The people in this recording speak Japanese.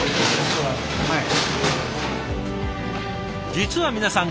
実は皆さん